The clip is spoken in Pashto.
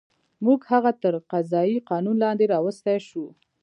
موږ هغه تر قضایي قانون لاندې راوستی شو.